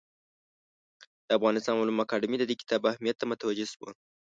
د افغانستان علومو اکاډمي د دې کتاب اهمیت ته متوجه شوه.